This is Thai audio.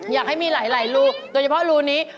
อยากให้มีหลายรูโดยเฉพาะรูนี้